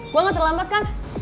gue gak terlambat kan